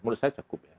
menurut saya cukup